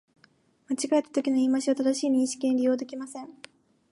間違えたときの言い直しは、正しい認識に利用できません